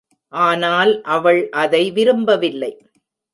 ஆனால் அவள் அதை விரும்பவில்லை.